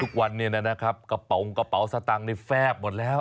ทุกวันนี้นะครับกระเป๋ากระเป๋าสตังค์นี่แฟบหมดแล้ว